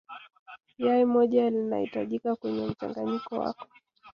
Yai moja litahitajika kwenye mchanganyiko wako